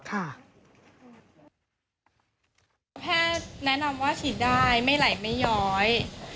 แพทย์แนะนำว่าฉีดได้ไม่ไหลไม่ย้อย